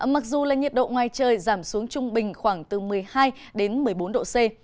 mặc dù là nhiệt độ ngoài trời giảm xuống trung bình khoảng từ một mươi hai đến một mươi bốn độ c